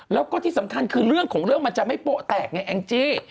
แล้วก็ที่สำคัญคือเรื่องของเรื่องมันจะไม่โป๊ะแตกไงแองจี้